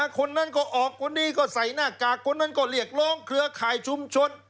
คนนั้นก็ออกคนนี้ก็ใส่หน้ากากคนนั้นก็เรียกร้องเครือข่ายชุมชน